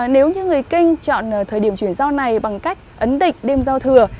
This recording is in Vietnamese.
nếu như người kinh chọn thời điểm chuyển giao này bằng cách ấn định đêm giao thừa